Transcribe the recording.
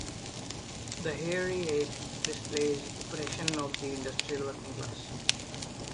"The Hairy Ape" displays oppression of the industrial working class.